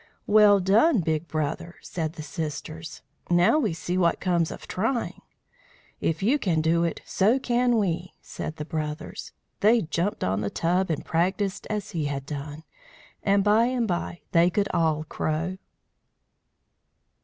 "Well done, big brother," said the sisters. "Now we see what comes of trying." "If you can do it, so can we," said the brothers. They jumped on the tub and practised as he had done, and by and by they could all crow.